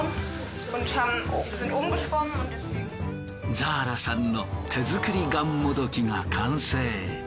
ザーラさんの手作りがんもどきが完成。